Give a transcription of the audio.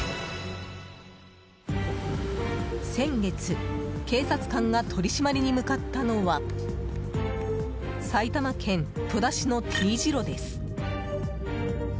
先月、警察官が取り締まりに向かったのは埼玉県戸田市のＴ字路です。